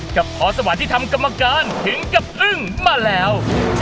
กับพอสวัสดิ์ธรรมกรรมการผิงกับอึ้งมาแล้ว